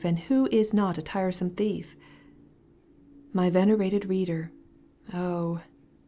And who is not a tiresome thief? My venerated reader, oh